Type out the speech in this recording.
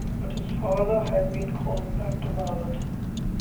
But his father had been called back to Malat.